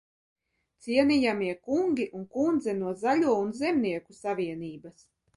Cienījamie kungi un kundze no Zaļo un zemnieku savienības!